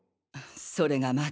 それがまだ。